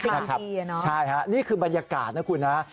ทำดีอ่ะเนอะใช่ครับนี่คือบรรยากาศนะครับ